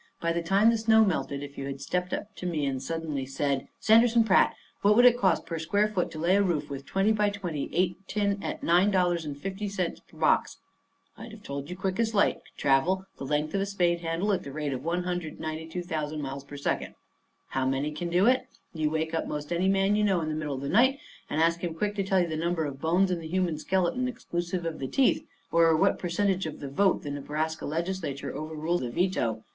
By the time the snow melted, if you had stepped up to me suddenly and said: "Sanderson Pratt, what would it cost per square foot to lay a roof with twenty by twenty eight tin at nine dollars and fifty cents per box?" I'd have told you as quick as light could travel the length of a spade handle at the rate of one hundred and ninety two thousand miles per second. How many can do it? You wake up 'most any man you know in the middle of the night, and ask him quick to tell you the number of bones in the human skeleton exclusive of the teeth, or what percentage of the vote of the Nebraska Legislature overrules a veto.